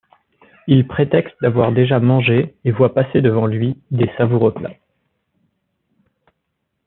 Il prétexte d’avoir déjà mangé et voit passer devant lui des savoureux plats.